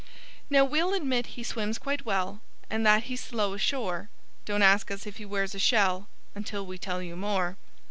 Now, we'll admit he swims quite well And that he's slow ashore. Don't ask us if he wears a shell Until we tell you more.